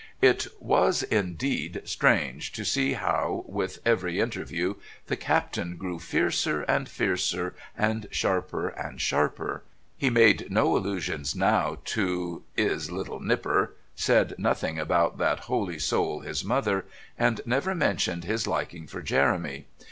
It was indeed strange to see how, with every interview, the Captain grew fiercer and fiercer and sharper and sharper. He made no allusions now to "'is little nipper," said nothing about that holy soul his mother, and never mentioned his liking for Jeremy.